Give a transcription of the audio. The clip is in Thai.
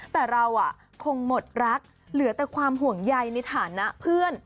แต่เราคงหมดรักเหลือแต่ความห่วงใยในฐานะเพื่อน